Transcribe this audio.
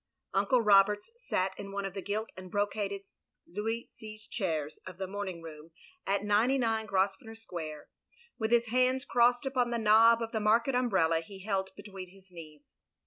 Uncle Roberts sat in one of the gilt and brocaded Louis Seize chairs of the moming room at 99 Grosvenor Square; with his hands crossed upon the knob of the market umbrella he held between his knees.